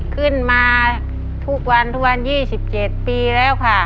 ขึ้นมาทุกวันทุกวัน๒๗ปีแล้วค่ะ